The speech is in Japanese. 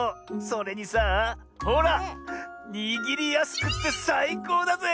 それにさあほらにぎりやすくってさいこうだぜ！